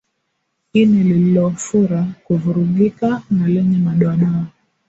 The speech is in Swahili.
Ini lililofura kuvurugika na lenye madoadoa